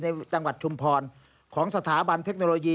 ในจังหวัดชุมพรของสถาบันเทคโนโลยี